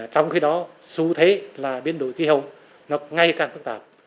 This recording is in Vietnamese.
trong khi đó xu thế là biến đổi khí hậu nó ngay càng phức tạp